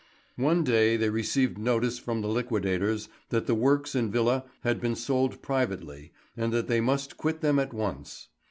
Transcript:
One day they received notice from the liquidators that the works and villa had been sold privately, and that they must quit them at once.